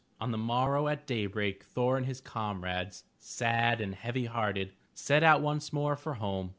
On the morrow at daybreak, Thor and his comrades, sad and heavy hearted, set out once more for home.'